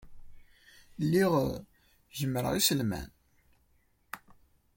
Lliɣ gemmreɣ iselman.